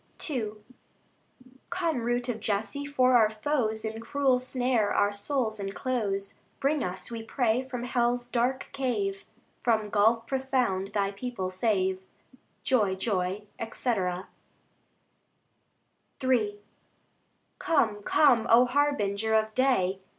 II Come, Root of Jesse! for our foes In cruel snare our souls enclose; Bring us, we pray, from hell's dark cave, From gulf profound Thy people save. Joy, joy, &c. III Come, come, O Harbinger of day!